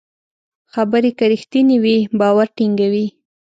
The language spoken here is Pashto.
خبرې که رښتینې وي، باور ټینګوي.